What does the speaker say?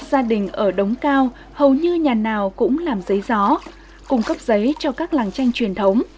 gia đình ở đống cao hầu như nhà nào cũng làm giấy gió cung cấp giấy cho các làng tranh truyền thống